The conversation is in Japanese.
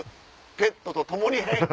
ペットと共に編